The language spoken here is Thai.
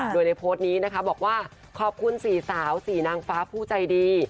โดยในโพสต์นี้นะคะบอกว่าขอบคุณ๔สาว๔นางฟ้าผู้ใจดี